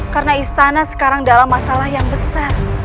karena istana sekarang dalam masalah yang besar